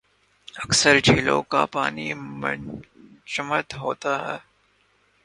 اکثر جھیلوں کا پانی منجمد ہوتا ہے